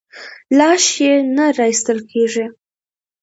لاش یې نه راایستل کېږي.